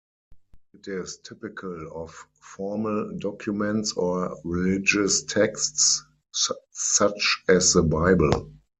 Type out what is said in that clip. It is typical of formal documents or religious texts, such as the Bible.